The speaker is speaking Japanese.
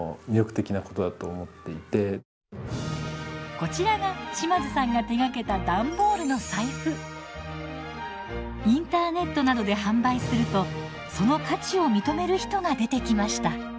こちらが島津さんが手がけたインターネットなどで販売するとその価値を認める人が出てきました。